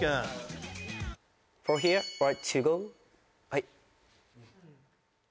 はい。